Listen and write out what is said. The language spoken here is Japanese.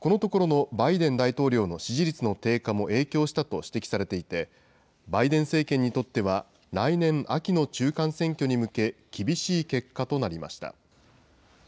このところのバイデン大統領の支持率の低下も影響したと指摘されていて、バイデン政権にとっては、来年秋の中間選挙に向け、厳しい結果となりました。